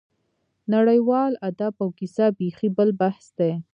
نړیوال ادب او کیسه بېخي بل بحث دی.